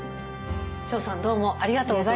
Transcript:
張さんどうもありがとうございました。